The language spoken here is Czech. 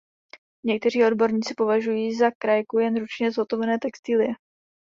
Někteří odborníci považují za krajku jen ručně zhotovené textilie.